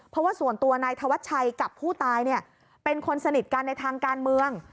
เพราะว่าส่วนตัวนายธวัชชัยกับผู้ตายเป็นคนสนิทกันในทางการเมือง